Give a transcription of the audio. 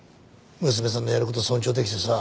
娘さんのやる事尊重できてさ。